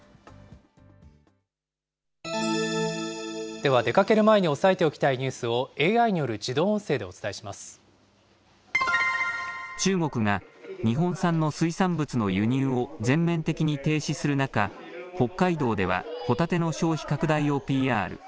では、出かける前に押さえておきたいニュースをＡＩによる自動音声でお中国が日本産の水産物の輸入を全面的に停止する中、北海道ではホタテの消費拡大をＰＲ。